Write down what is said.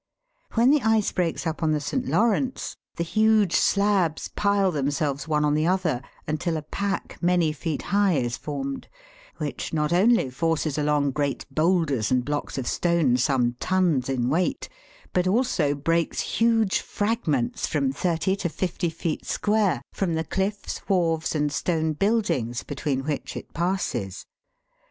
When the ice breaks up on the St. Lawrence, the huge 64 THE WORLD'S LUMBER ROOM. slabs pile themselves one on the other, until a pack many feet high is formed, which not only forces along great boulders and blocks of stone some tons in weight, but also breaks huge fragments from thirty to fifty feet square from the cliffs, wharves, and stone buildings between which it passes.